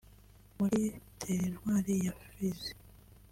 muri Teritwari ya Fizi